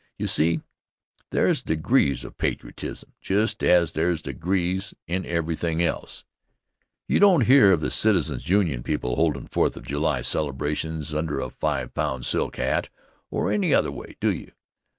You see, there's degrees of patriotism just as there's degrees in everything else. You don't hear of the Citizens' Union people holdin' Fourth of July celebrations under a five pound silk hat, or any other way, do you?